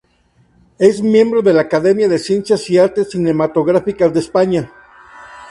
Es miembro de la Academia de Ciencias y Artes Cinematográficas de España.